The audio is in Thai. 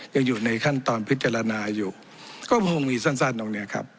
ยังอยู่ในขั้นตอนพิจารณาอยู่ก็คงมีสั้นตรงเนี้ยครับ